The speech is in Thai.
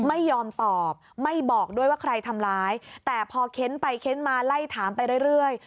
ไม่ยอมตอบไม่บอกด้วยว่าใครทำร้ายแต่พอเค้นไปเค้นมาไล่ถามไปเรื่อย